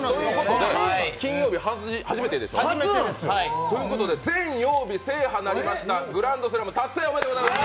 金曜日初めてでしょうということで全曜日制覇となりました、グランドスラム達成でございます。